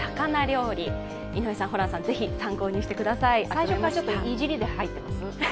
最初からイジリで入ってます？